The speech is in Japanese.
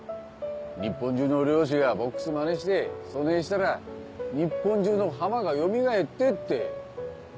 「日本中の漁師がボックスマネしてそねぇしたら日本中の浜がよみがえって」って。